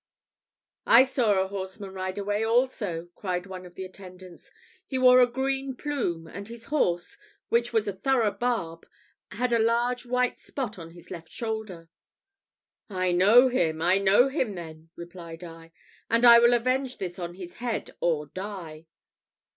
"I saw a horseman ride away also," cried one of the attendants: "he wore a green plume, and his horse, which was a thorough barb, had a large white spot on his left shoulder." "I know him, I know him, then!" replied I, "and I will avenge this on his head, or die."